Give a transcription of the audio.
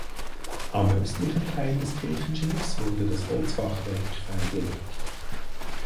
Am östlichen Teil des Kirchenschiffs wurde das Holzfachwerk freigelegt.